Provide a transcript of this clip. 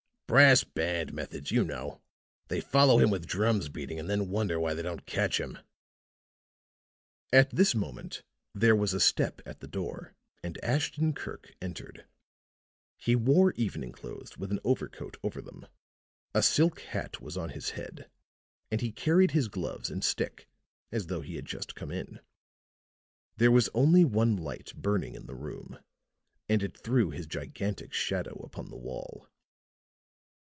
"Brass band methods, you know. They follow him with drums beating and then wonder why they don't catch him." At this moment there was a step at the door, and Ashton Kirk entered. He wore evening clothes with an overcoat over them; a silk hat was on his head, and he carried his gloves and stick as though he had just come in. There was only one light burning in the room, and it threw his gigantic shadow upon the wall.